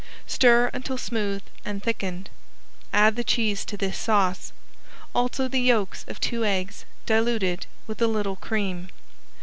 Stir until smooth and thickened. Add the cheese to this sauce, also the yolks of two eggs diluted with a little cream.